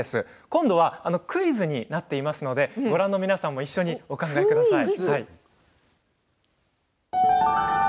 今度はクイズになっていますのでご覧の皆さんも一緒にお考えください。